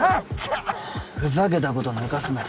ふざけたことぬかすなよ。